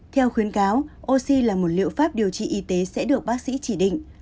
theo khuyến cáo oxy là một liệu pháp điều trị y tế sẽ được bác sĩ chỉ định